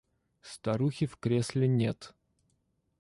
Старухи в кресле нет.